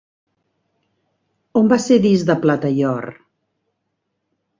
On va ser disc de plata i or?